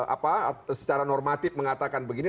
apa secara normatif mengatakan begini